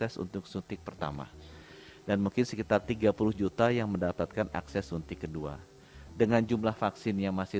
sedangkan yang lainnya